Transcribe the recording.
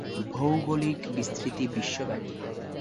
ভৌগোলিক বিস্তৃতি বিশ্বব্যাপী।